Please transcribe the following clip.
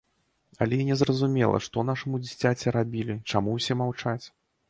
Але і незразумела, што нашаму дзіцяці рабілі, чаму ўсе маўчаць?